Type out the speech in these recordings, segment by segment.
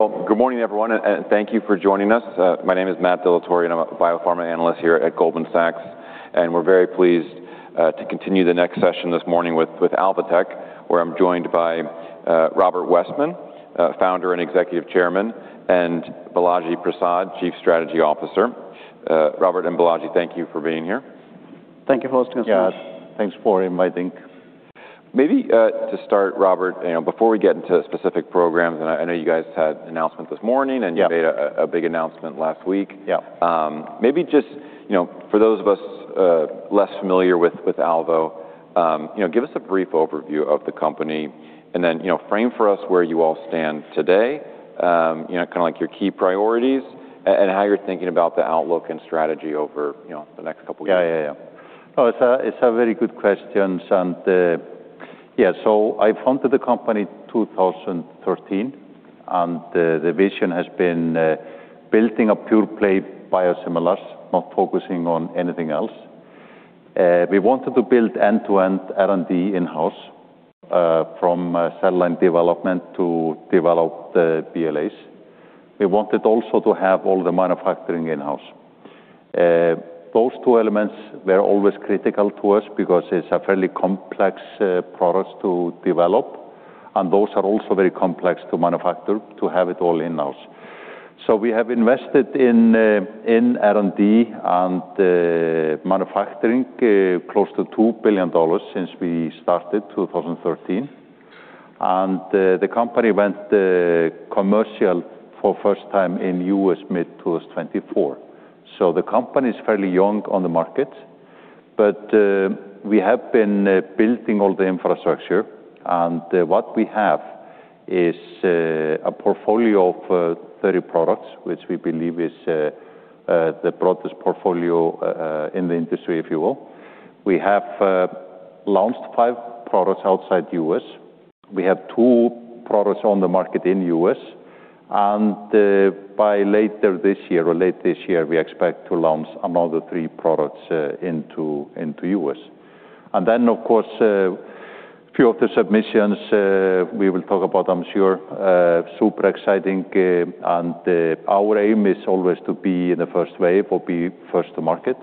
Well, good morning, everyone, and thank you for joining us. My name is Matthew DiLullo, and I'm a Biopharma Analyst here at Goldman Sachs. We're very pleased to continue the next session this morning with Alvotech, where I'm joined by Róbert Wessman, Founder and Executive Chairman, and Balaji Prasad, Chief Strategy Officer. Róbert and Balaji, thank you for being here. Thank you for hosting us. Yeah. Thanks for inviting. Maybe to start, Róbert, before we get into specific programs. I know you guys had an announcement this morning. You made a big announcement last week. Yeah. Maybe just for those of us less familiar with Alvotech, give us a brief overview of the company and then frame for us where you all stand today, kind of like your key priorities and how you're thinking about the outlook and strategy over the next couple years? Yeah. No, it's a very good question. I founded the company 2013, and the vision has been building a pure-play biosimilars, not focusing on anything else. We wanted to build end-to-end R&D in-house from cell line development to develop the BLAs. We wanted also to have all the manufacturing in-house. Those two elements were always critical to us because it's a fairly complex products to develop, and those are also very complex to manufacture to have it all in-house. We have invested in R&D and manufacturing close to $2 billion since we started 2013. The company went commercial for first time in U.S. mid-2024. The company's fairly young on the market, but we have been building all the infrastructure. What we have is a portfolio of 30 products, which we believe is the broadest portfolio in the industry, if you will. We have launched five products outside U.S. We have two products on the market in U.S., by later this year or late this year, we expect to launch another three products into U.S. Of course, a few of the submissions we will talk about, I'm sure. Super exciting. Our aim is always to be in the first wave or be first to market.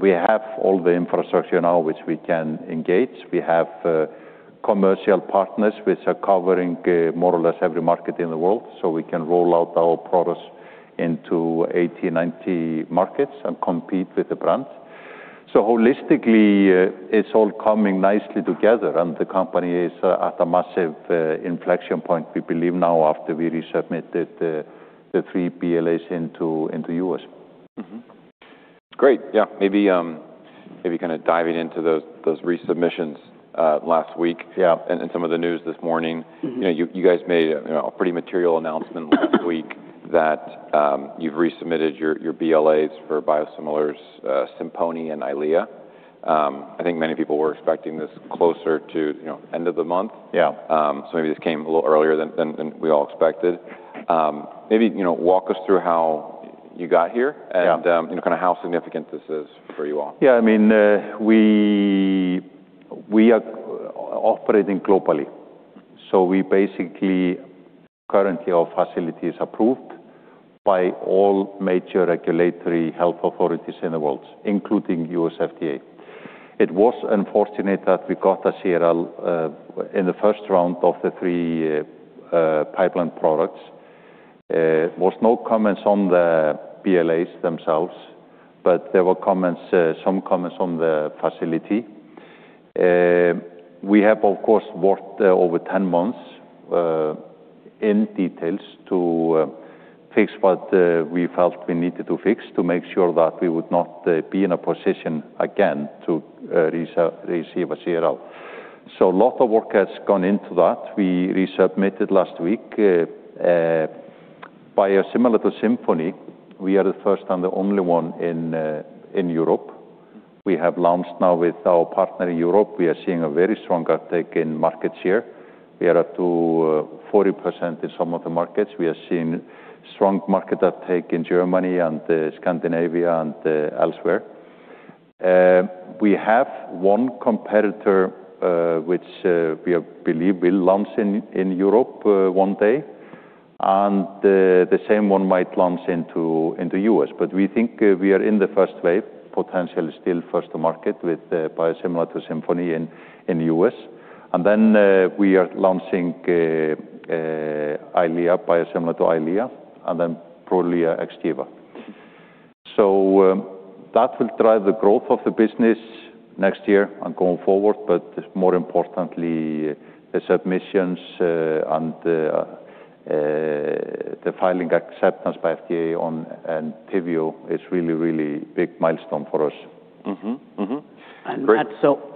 We have all the infrastructure now which we can engage. We have commercial partners which are covering more or less every market in the world, so we can roll out our products into 80, 90 markets and compete with the brands. Holistically, it's all coming nicely together, the company is at a massive inflection point, we believe now after we resubmitted the three BLAs into U.S. Mm-hmm. Great. Yeah. Maybe kind of diving into those resubmissions last week. Some of the news this morning. You guys made a pretty material announcement last week that you've resubmitted your BLAs for biosimilars Simponi and Eylea. I think many people were expecting this closer to end of the month. Maybe this came a little earlier than we all expected. Maybe walk us through how you got here kind of how significant this is for you all? Yeah, we are operating globally. We currently, our facility is approved by all major regulatory health authorities in the world, including U.S. FDA. It was unfortunate that we got a CRL in the first round of the three pipeline products. There were no comments on the BLAs themselves, but there were some comments on the facility. We have, of course, worked over 10 months in details to fix what we felt we needed to fix to make sure that we would not be in a position again to receive a CRL. A lot of work has gone into that. We resubmitted last week. Biosimilar to Simponi, we are the first and the only one in Europe. We have launched now with our partner in Europe. We are seeing a very strong uptake in markets here. We are up to 40% in some of the markets. We are seeing strong market uptake in Germany and Scandinavia and elsewhere. We have one competitor which we believe will launch in Europe one day, and the same one might launch into U.S. We think we are in the first wave, potentially still first to market with biosimilar to Simponi in U.S. We are launching Eylea, biosimilar to Eylea, and then probably Xgeva. That will drive the growth of the business next year and going forward. More importantly, the submissions and the filing acceptance by FDA on Entyvio is really big milestone for us. Great. Matt,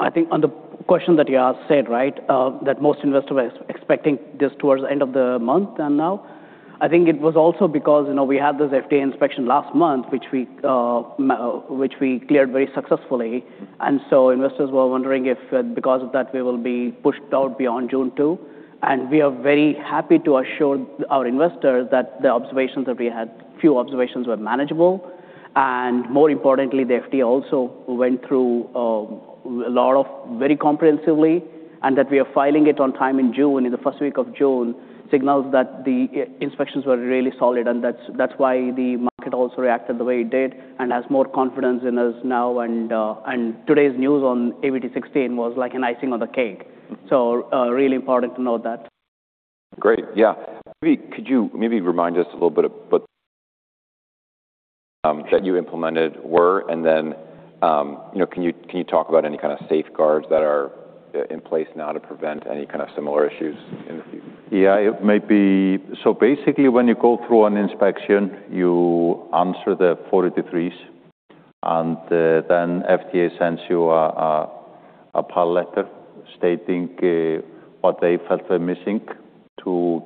I think on the question that you asked, right? Most investors were expecting this towards the end of the month than now. It was also because we had this FDA inspection last month, which we cleared very successfully, investors were wondering if because of that, we will be pushed out beyond June 2nd. We are very happy to assure our investors that the observations that we had, few observations were manageable. More importantly, the FDA also went through a lot very comprehensively, that we are filing it on time in June, in the first week of June, signals that the inspections were really solid. That's why the market also reacted the way it did and has more confidence in us now. Today's news on AVT16 was like an icing on the cake. Really important to note that. Great. Yeah. Could you maybe remind us a little bit of what you implemented were, can you talk about any kind of safeguards that are in place now to prevent any kind of similar issues in the future? Yeah. Basically, when you go through an inspection, you answer the 483s, FDA sends you a PAI letter stating what they felt were missing to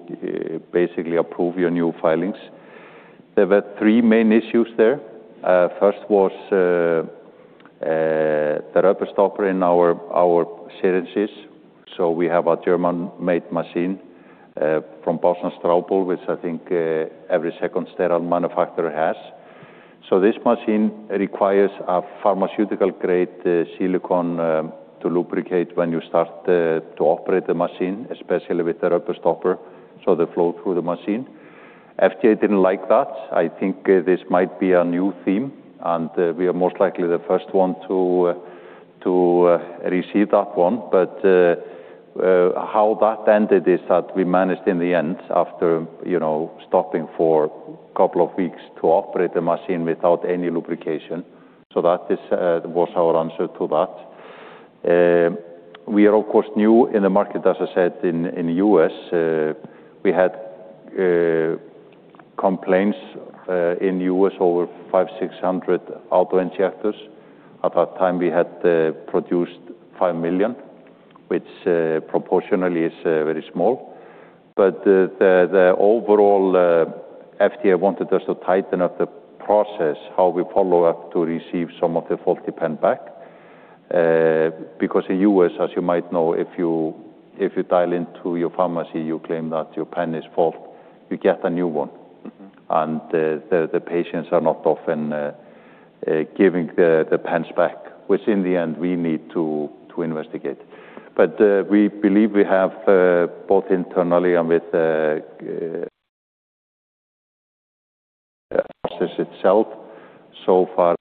basically approve your new filings. There were three main issues there. First was the rubber stopper in our syringes. We have a German-made machine from Bausch+Ströbel, which I think every second sterile manufacturer has. This machine requires a pharmaceutical-grade silicone to lubricate when you start to operate the machine, especially with the rubber stopper, so they flow through the machine. FDA didn't like that. This might be a new theme, we are most likely the first one to receive that one. How that ended is that we managed in the end, after stopping for a couple of weeks, to operate the machine without any lubrication. That was our answer to that. We are, of course, new in the market, as I said, in the U.S. We had complaints in the U.S. over 500, 600 auto-injectors. At that time, we had produced 5 million, which proportionally is very small. The overall FDA wanted us to tighten up the process, how we follow up to receive some of the faulty pen back. Because in the U.S., as you might know, if you dial into your pharmacy, you claim that your pen is faulty, you get a new one. The patients are not often giving the pens back, which in the end, we need to investigate. We believe we have both internally and with the process itself so far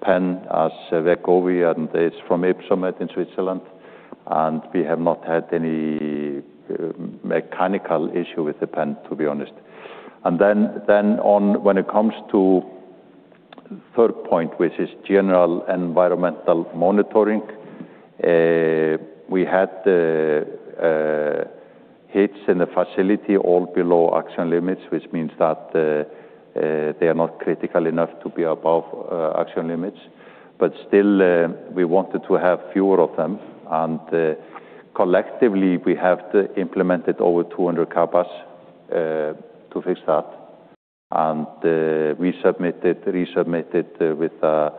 pen as Wegovy and is from Ypsomed in Switzerland, and we have not had any mechanical issue with the pen, to be honest. When it comes to third point, which is general environmental monitoring, we had hits in the facility all below action limits, which means that they are not critical enough to be above action limits. Still, we wanted to have fewer of them, and collectively we have implemented over 200 CAPAs to fix that. We resubmitted with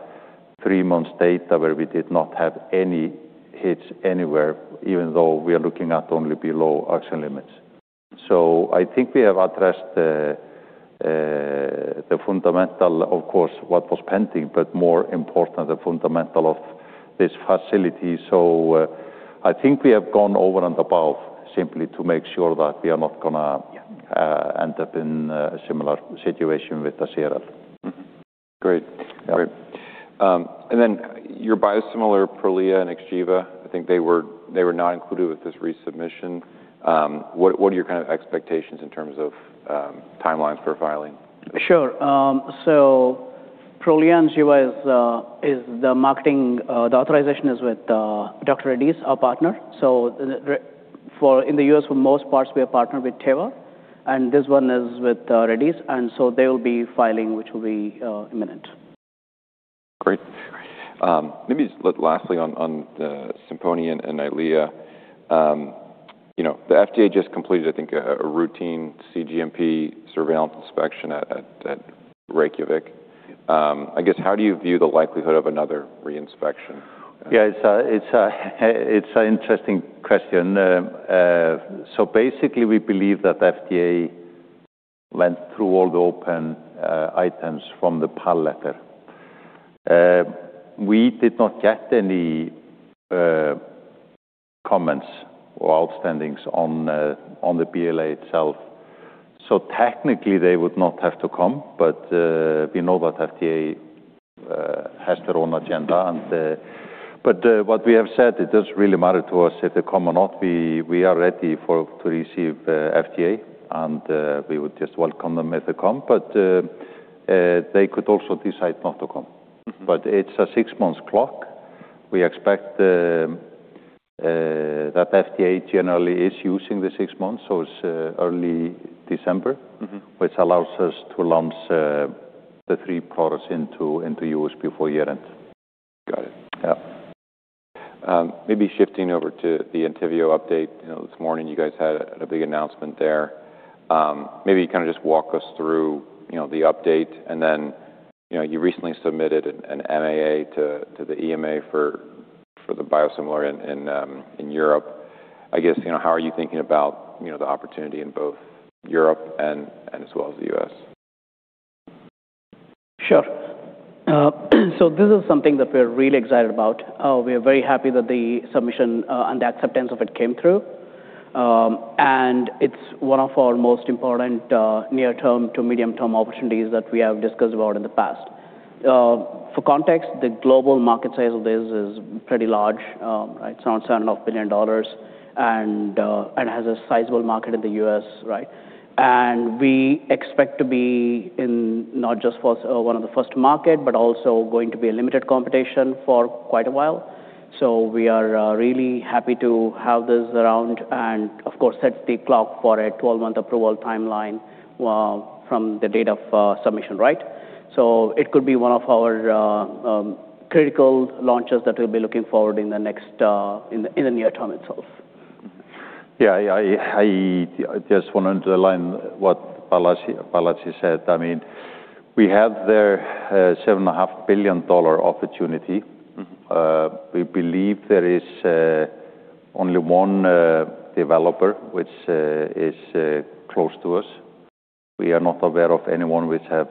three months data where we did not have any hits anywhere, even though we are looking at only below action limits. I think we have addressed the fundamental, of course, what was pending, more important, the fundamental of this facility. I think we have gone over and above simply to make sure that we are not going to end up in a similar situation with the CRL. Great. Your biosimilar Prolia and Xgeva, I think they were not included with this resubmission. What are your kind of expectations in terms of timelines for filing? Sure. Prolia and Xgeva, the authorization is with Dr. Reddy's, our partner. In the U.S., for most parts, we are partnered with Teva, and this one is with Reddy's. They will be filing, which will be imminent. Great. Maybe lastly on the Simponi and Ilaris. The FDA just completed, I think, a routine cGMP surveillance inspection at Reykjavik. I guess, how do you view the likelihood of another re-inspection? Yeah, it's an interesting question. Basically, we believe that FDA went through all the open items from the PAI letter. We did not get any comments or outstandings on the BLA itself. Technically, they would not have to come. We know that FDA has their own agenda. What we have said, it doesn't really matter to us if they come or not. We are ready to receive FDA, and we would just welcome them if they come. They could also decide not to come. It's a six-month clock. We expect that FDA generally is using the six months, so it's early December. Which allows us to launch the three products into U.S. before year-end. Got it. Maybe shifting over to the Entyvio update. This morning you guys had a big announcement there. Maybe you kind of just walk us through the update and then you recently submitted an MAA to the EMA for the biosimilar in Europe, I guess, how are you thinking about the opportunity in both Europe and as well as the U.S.? Sure. This is something that we're really excited about. We are very happy that the submission and the acceptance of it came through. It's one of our most important near term to medium term opportunities that we have discussed about in the past. For context, the global market size of this is pretty large. It's around $7.5 billion and has a sizable market in the U.S. Right? We expect to be in not just for one of the first market, but also going to be a limited competition for quite a while. We are really happy to have this around and, of course, set the clock for a 12-month approval timeline from the date of submission. Right? It could be one of our critical launches that we'll be looking forward in the near term itself. Yeah. I just want to underline what Balaji said. We have there a $7.5 billion opportunity. We believe there is only one developer which is close to us. We are not aware of anyone which have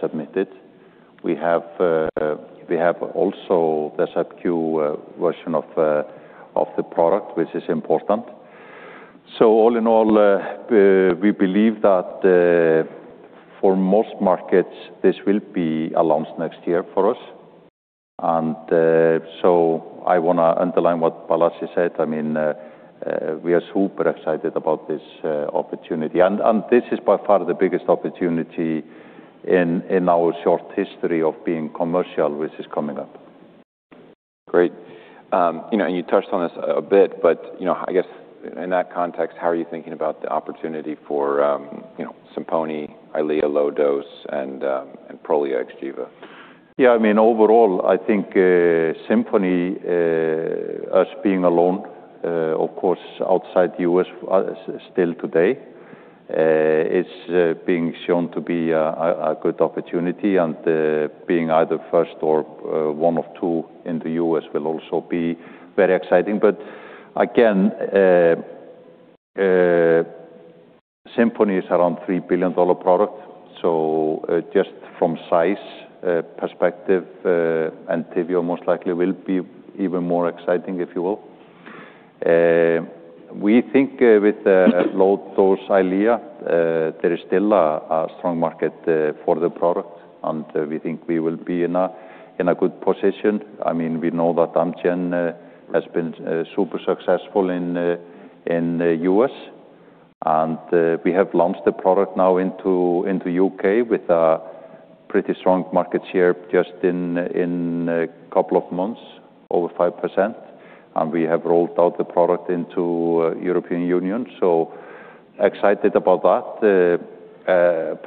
submitted. We have also the subQ version of the product, which is important. All in all, we believe that for most markets, this will be a launch next year for us. I want to underline what Balaji said. We are super excited about this opportunity, and this is by far the biggest opportunity in our short history of being commercial, which is coming up. Great. You touched on this a bit, but I guess in that context, how are you thinking about the opportunity for Simponi, Eylea low dose, and Prolia/Xgeva? Yeah. Overall, I think Simponi, us being alone, of course, outside the U.S. still today is being shown to be a good opportunity. Being either first or one of two in the U.S. will also be very exciting. Again, Simponi is around a $3 billion product. Just from size perspective, Entyvio most likely will be even more exciting, if you will. We think with the low dose Eylea, there is still a strong market for the product, and we think we will be in a good position. We know that Amgen has been super successful in the U.S., and we have launched the product now into U.K. with a pretty strong market share just in a couple of months, over 5%. We have rolled out the product into European Union. Excited about that. That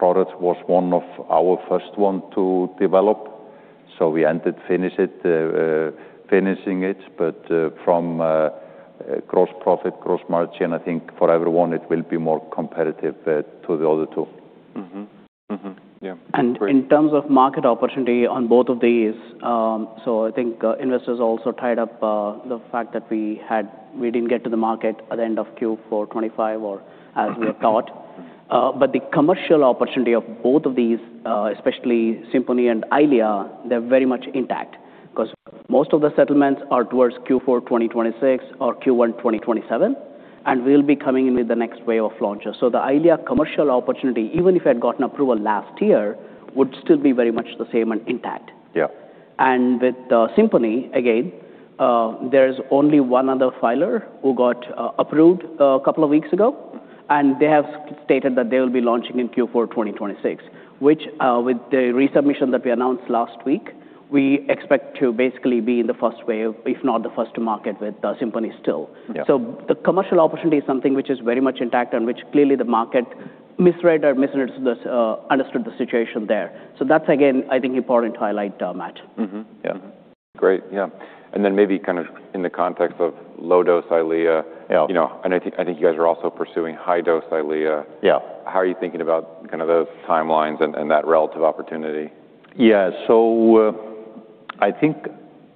product was one of our first one to develop. We ended finishing it. From gross profit, gross margin, I think for everyone, it will be more competitive to the other two. Mm-hmm. Yeah. Great. In terms of market opportunity on both of these, I think investors also tied up the fact that we didn't get to the market at the end of Q4 2025 or as we had thought. The commercial opportunity of both of these, especially Simponi and Eylea, they're very much intact, because most of the settlements are towards Q4 2026 or Q1 2027, and we'll be coming in with the next wave of launches. The Eylea commercial opportunity, even if it had gotten approval last year, would still be very much the same and intact. With Simponi, again, there is only one other filer who got approved a couple of weeks ago, and they have stated that they will be launching in Q4 2026, which with the resubmission that we announced last week, we expect to basically be in the first wave, if not the first to market with Simponi still. The commercial opportunity is something which is very much intact and which clearly the market misread or misunderstood the situation there. That's again, I think, important to highlight, Matt. Mm-hmm. Yeah. Great. Yeah. Then maybe kind of in the context of low-dose Eylea. I think you guys are also pursuing high-dose Eylea. How are you thinking about those timelines and that relative opportunity? Yeah. I think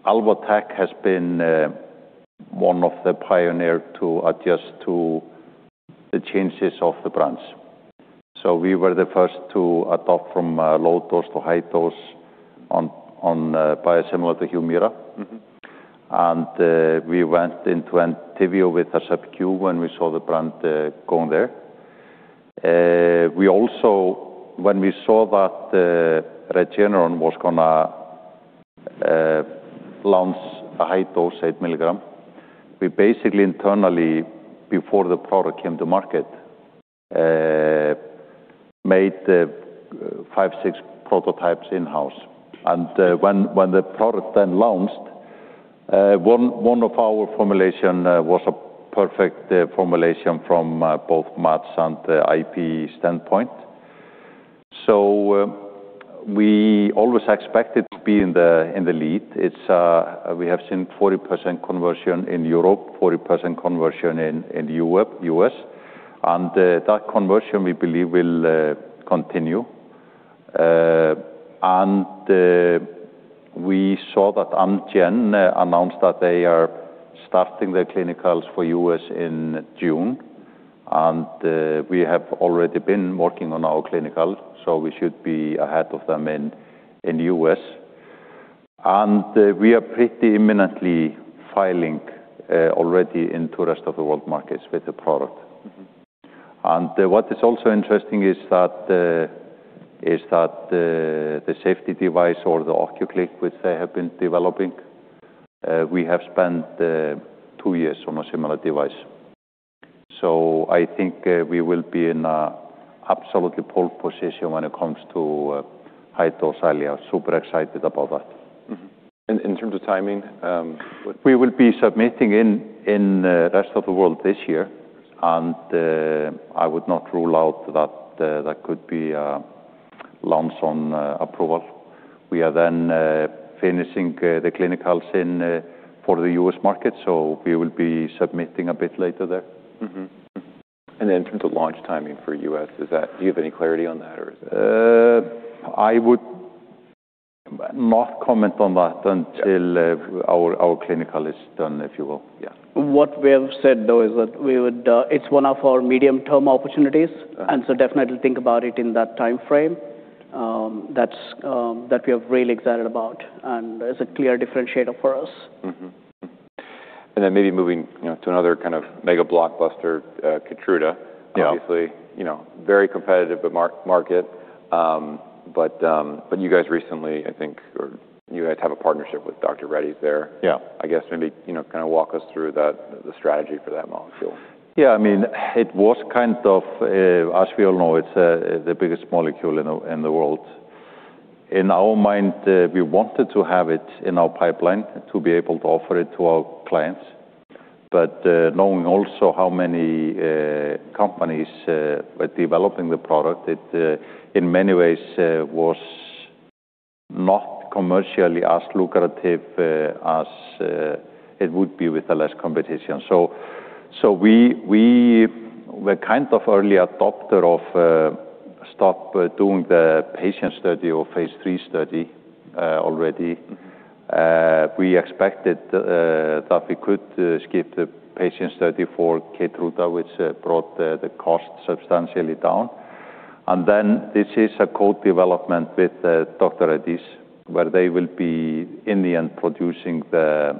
Alvotech has been one of the pioneers to adjust to the changes of the brands. We were the first to adopt from low dose to high dose on biosimilar to Humira. We went into Entyvio with a subQ when we saw the brand going there. We also, when we saw that Regeneron was going to launch a high dose, 8 mg, we basically internally, before the product came to market, made five, six prototypes in-house. When the product then launched, one of our formulations was a perfect formulation from both match and the IP standpoint. We always expected to be in the lead. We have seen 40% conversion in Europe, 40% conversion in the U.S., and that conversion, we believe, will continue. We saw that Amgen announced that they are starting their clinicals for U.S. in June, and we have already been working on our clinicals, we should be ahead of them in U.S. We are pretty imminently filing already into rest of the world markets with the product. What is also interesting is that the safety device or the OcuClick, which they have been developing, we have spent two years on a similar device. I think we will be in an absolutely pole position when it comes to high dose Eylea. Super excited about that. We will be submitting in the rest of the world this year, and I would not rule out that could be a launch on approval. We are then finishing the clinicals for the U.S. market, so we will be submitting a bit later there. Mm-hmm. In terms of launch timing for U.S., do you have any clarity on that, or is it? I would not comment on that until our clinical is done, if you will. Yeah. What we have said, though, is that it's one of our medium-term opportunities. Definitely think about it in that timeframe, that we are really excited about, and it's a clear differentiator for us. Maybe moving to another kind of mega blockbuster, Keytruda. Obviously very competitive market. You guys recently, I think you guys have a partnership with Dr. Reddy's there. I guess maybe kind of walk us through the strategy for that molecule. Yeah, it was kind of, as we all know, it's the biggest molecule in the world. In our mind, we wanted to have it in our pipeline to be able to offer it to our clients. Knowing also how many companies were developing the product, it in many ways was not commercially as lucrative as it would be with less competition. We were kind of early adopter of stop doing the patient study or phase III study already. We expected that we could skip the patient study for Keytruda, which brought the cost substantially down. This is a co-development with Dr. Reddy's, where they will be, in the end, producing the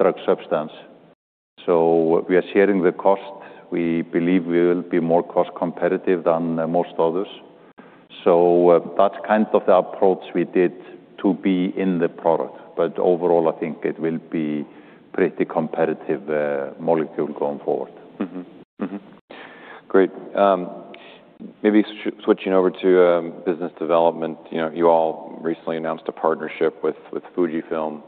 drug substance. We are sharing the cost. We believe we will be more cost competitive than most others. That's kind of the approach we did to be in the product. Overall, I think it will be pretty competitive molecule going forward. Great. Maybe switching over to business development. You all recently announced a partnership with FUJIFILM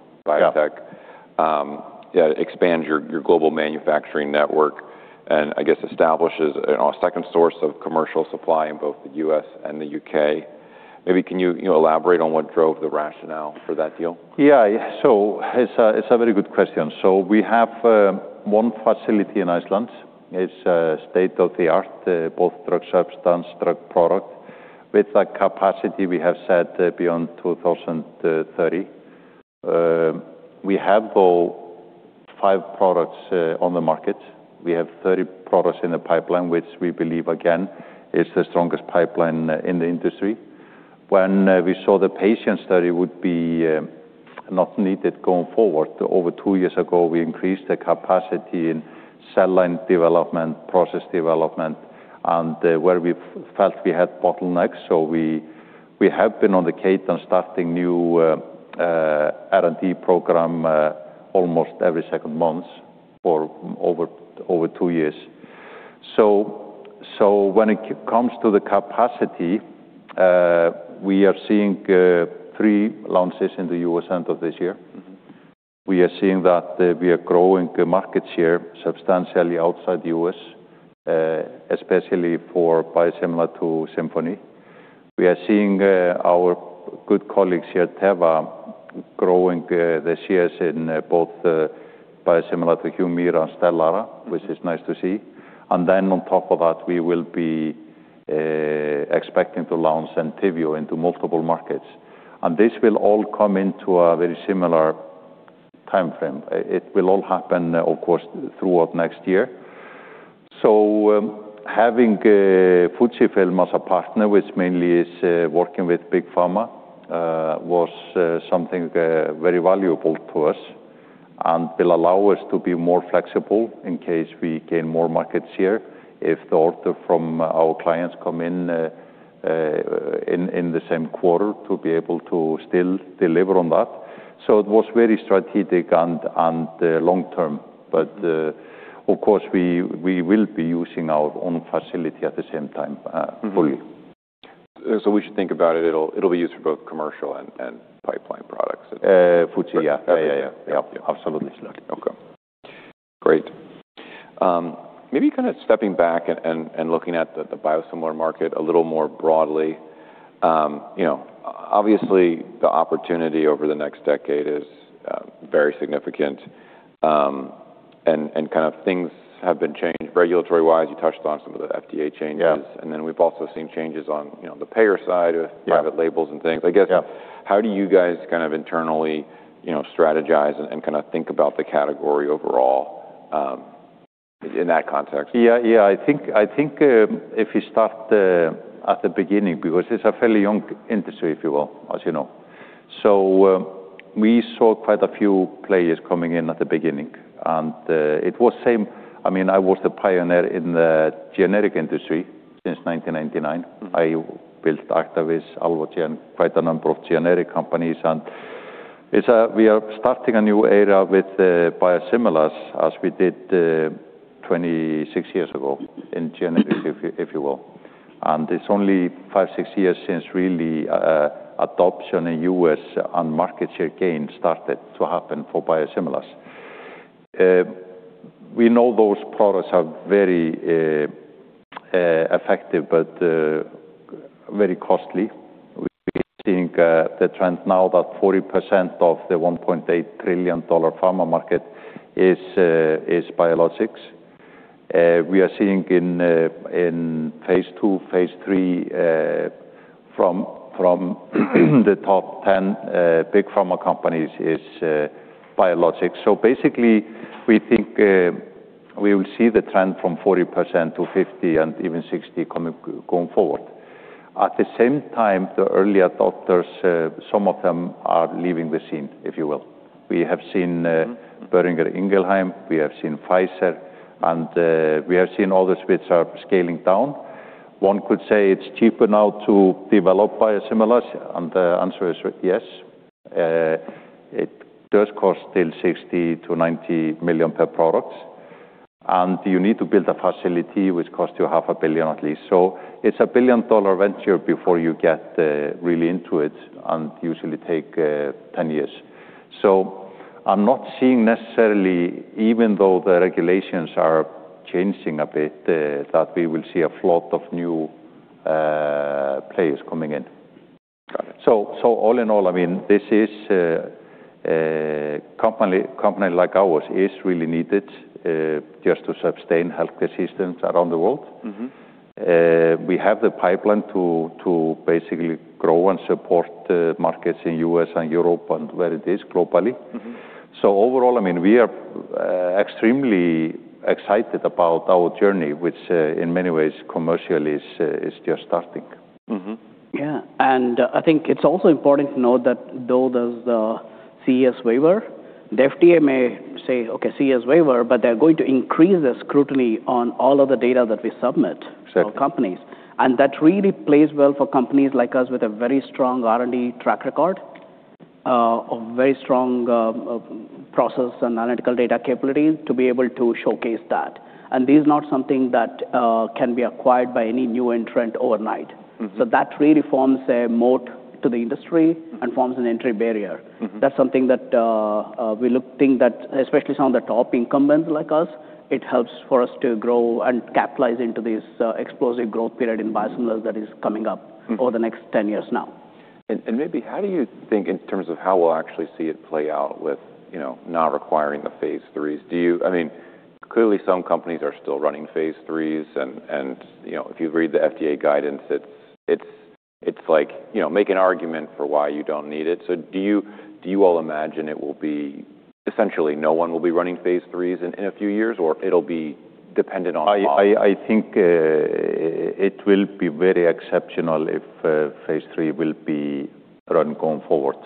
to expand your global manufacturing network, and I guess establishes a second source of commercial supply in both the U.S. and the U.K. Maybe can you elaborate on what drove the rationale for that deal? Yeah. It's a very good question. We have one facility in Iceland. It's state-of-the-art both drug substance, drug product. With that capacity we have set beyond 2030. We have, though, five products on the market. We have 30 products in the pipeline, which we believe, again, is the strongest pipeline in the industry. When we saw the patient study would be not needed going forward, over two years ago, we increased the capacity in cell line development, process development, and where we felt we had bottlenecks. We have been on the cadence starting new R&D program almost every second month for over two years. When it comes to the capacity, we are seeing three launches in the U.S. end of this year. We are seeing that we are growing market share substantially outside the U.S., especially for biosimilar to Simponi. We are seeing our good colleagues here at Teva growing the shares in both the biosimilar to Humira and Stelara. Which is nice to see. On top of that, we will be expecting to launch Entyvio into multiple markets. This will all come into a very similar timeframe. It will all happen, of course, throughout next year. Having FUJIFILM as a partner, which mainly is working with big pharma, was something very valuable to us and will allow us to be more flexible in case we gain more market share. If the order from our clients come in the same quarter, to be able to still deliver on that. It was very strategic and long-term. Of course, we will be using our own facility at the same time fully. We should think about it will be used for both commercial and pipeline products. FUJIFILM. Yeah. Absolutely. Okay. Great. Maybe stepping back and looking at the biosimilar market a little more broadly. Obviously, the opportunity over the next decade is very significant, and things have been changed regulatory-wise. You touched on some of the FDA changes. We've also seen changes on the payer side private labels and things. How do you guys internally strategize and think about the category overall in that context? I think if you start at the beginning, because it's a fairly young industry, if you will, as you know. We saw quite a few players coming in at the beginning, I was the pioneer in the generic industry since 1999. I built Actavis, Alvogen, quite a number of generic companies. We are starting a new era with biosimilars, as we did 26 years ago in generics, if you will. It's only five, six years since really adoption in U.S. and market share gain started to happen for biosimilars. We know those products are very effective, but very costly. We are seeing the trend now that 40% of the $1.8 trillion pharma market is biologics. We are seeing in phase II, phase III from the top 10 big pharma companies is biologics. Basically, we think we will see the trend from 40% to 50% and even 60% going forward. At the same time, the early adopters, some of them are leaving the scene, if you will. We have seen Boehringer Ingelheim, we have seen Pfizer, we have seen others which are scaling down. One could say it's cheaper now to develop biosimilars. The answer is yes. It does cost still $60 million-$90 million per product. You need to build a facility which costs you half a billion USD at least. It's a billion-dollar venture before you get really into it, usually take 10 years. I'm not seeing necessarily, even though the regulations are changing a bit, that we will see a flood of new players coming in. Got it. All in all, a company like ours is really needed just to sustain healthcare systems around the world. We have the pipeline to basically grow and support markets in U.S. and Europe and where it is globally. Overall, we are extremely excited about our journey, which in many ways commercially is just starting. I think it's also important to note that though there's the CES waiver, the FDA may say, "Okay, CES waiver," they're going to increase the scrutiny on all of the data that we submit for companies. That really plays well for companies like us with a very strong R&D track record, a very strong process and analytical data capabilities to be able to showcase that. This is not something that can be acquired by any new entrant overnight. That really forms a moat to the industry and forms an entry barrier. That's something that we think that, especially some of the top incumbents like us, it helps for us to grow and capitalize into this explosive growth period in biosimilars that is coming up over the next 10 years now. How do you think in terms of how we'll actually see it play out with not requiring the phase IIIs? Clearly, some companies are still running phase IIIs and if you read the FDA guidance, it's like make an argument for why you don't need it. Do you all imagine it will be essentially no one will be running phase IIIs in a few years, or it'll be dependent on cost? I think it will be very exceptional if phase III will be run going forward.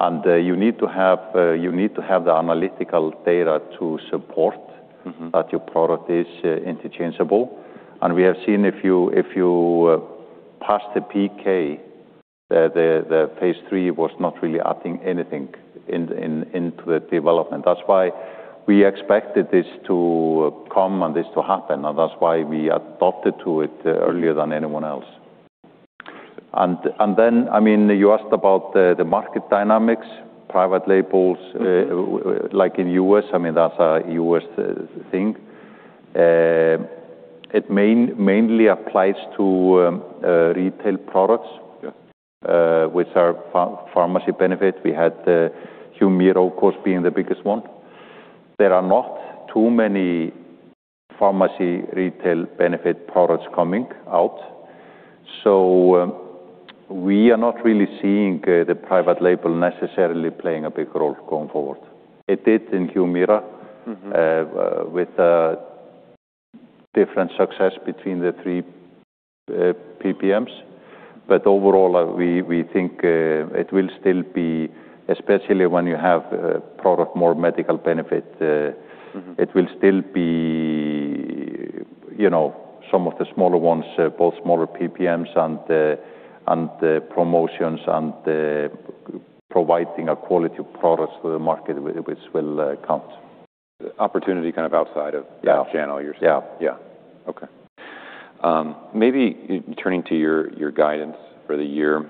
You need to have the analytical data to support that your product is interchangeable. We have seen if you pass the PK, the phase III was not really adding anything into the development. That's why we expected this to come and this to happen, and that's why we adopted to it earlier than anyone else. Then, you asked about the market dynamics, private labels like in U.S., that's a U.S. thing. It mainly applies to retail products which are pharmacy benefits. We had Humira, of course, being the biggest one. We are not really seeing the private label necessarily playing a big role going forward. It did in Humira. With different success between the three PBMs. Overall, we think it will still be, especially when you have a product more medical benefit. It will still be some of the smaller ones, both smaller PBMs and the promotions and providing a quality product to the market which will count. The opportunity kind of outside of channel, you're saying. Yeah. Yeah. Okay. Turning to your guidance for the year.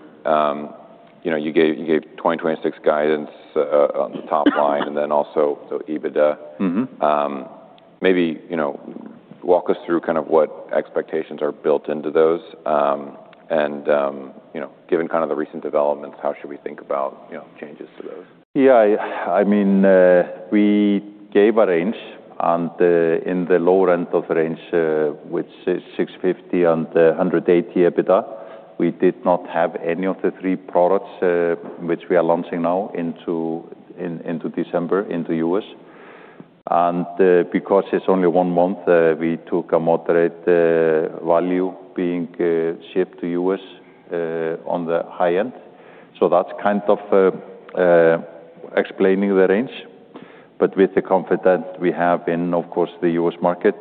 You gave 2026 guidance on the top line and then also EBITDA. Walk us through what expectations are built into those. Given the recent developments, how should we think about changes to those? Yeah. We gave a range, and in the lower end of range, which is $650 and $180 EBITDA, we did not have any of the three products which we are launching now into December in the U.S. Because it's only one month, we took a moderate value being shipped to U.S. on the high end. That's kind of explaining the range. With the confidence we have in, of course, the U.S. market,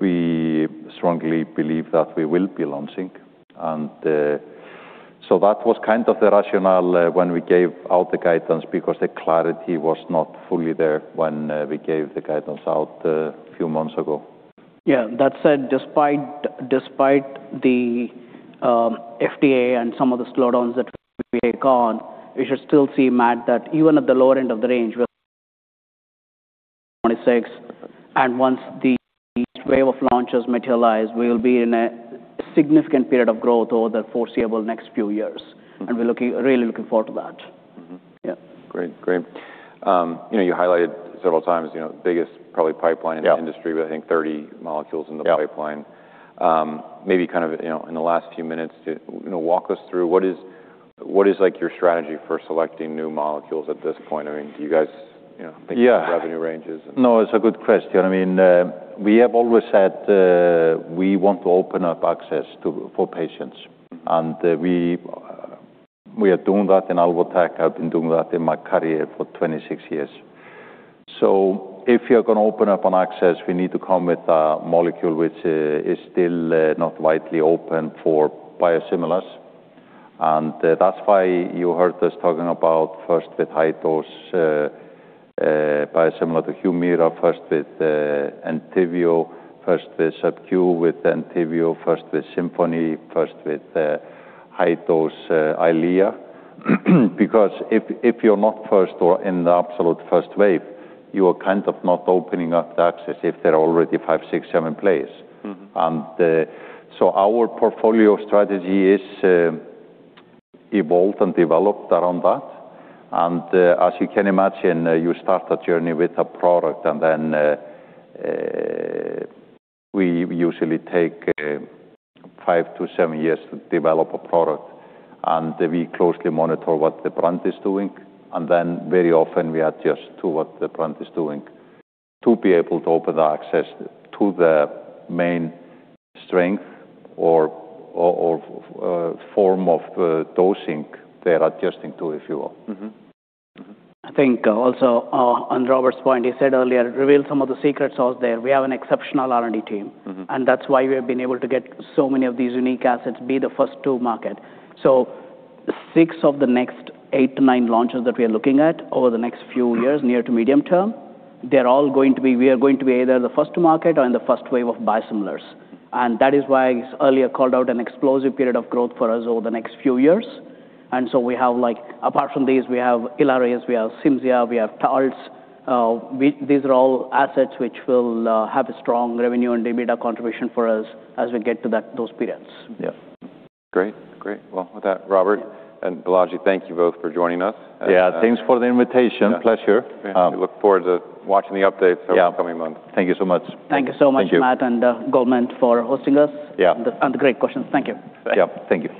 we strongly believe that we will be launching. That was kind of the rationale when we gave out the guidance, because the clarity was not fully there when we gave the guidance out a few months ago. Yeah. That said, despite the FDA and some of the slowdowns that we had gone, we should still see, Matt, that even at the lower end of the range, we're 2026, and once the wave of launches materialize, we will be in a significant period of growth over the foreseeable next few years. We're really looking forward to that. Mm-hmm. Yeah. Great. You highlighted several times, biggest probably in the industry with I think 30 molecules in the pipeline. Maybe in the last few minutes, walk us through what is your strategy for selecting new molecules at this point? Do you guys think of revenue ranges? It's a good question. We have always said we want to open up access for patients. We are doing that in Alvotech. I've been doing that in my career for 26 years. If you're going to open up an access, we need to come with a molecule which is still not widely open for biosimilars. That's why you heard us talking about first with high-dose biosimilar to Humira, first with Entyvio, first with subQ with Entyvio, first with Simponi, first with high-dose Eylea. Because if you're not first or in the absolute first wave, you are kind of not opening up the access if there are already five, six, seven players. Our portfolio strategy is evolved and developed around that. As you can imagine, you start a journey with a product, then we usually take five to seven years to develop a product, we closely monitor what the brand is doing, then very often we adjust to what the brand is doing to be able to open the access to the main strength or form of dosing they're adjusting to, if you will. I think also on Róbert's point, he said earlier, revealed some of the secret sauce there. We have an exceptional R&D team. That's why we have been able to get so many of these unique assets, be the first to market. Six of the next eight to nine launches that we are looking at over the next few years, near to medium term, we are going to be either the first to market or in the first wave of biosimilars. That is why earlier called out an explosive period of growth for us over the next few years. We have like, apart from these, we have Ilaris, we have Cimzia, we have Taltz. These are all assets which will have a strong revenue and EBITDA contribution for us as we get to those periods. Yeah. Great. Well, with that, Róbert and Balaji, thank you both for joining us. Yeah. Thanks for the invitation. Pleasure. We look forward to watching the updates over the coming months. Thank you so much. Thank you so much, Matt and Goldman Sachs for hosting us. Great questions. Thank you. Yeah. Thank you.